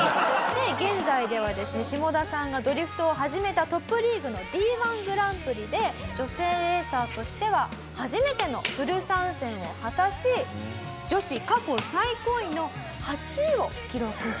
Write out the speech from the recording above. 現在ではですねシモダさんがドリフトを始めたトップリーグのＤ１グランプリで女性レーサーとしては初めてのフル参戦を果たし女子過去最高位の８位を記録していると。